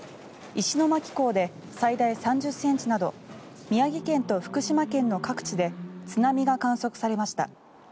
石巻港で最大３０ｃｍなど宮城県と福島県の各地で津波が観測されました。